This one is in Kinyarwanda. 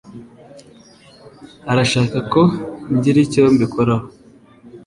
Urashaka ko ngira icyo mbikoraho?